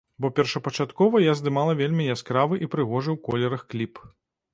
Бо першапачаткова я здымала вельмі яскравы і прыгожы ў колерах кліп.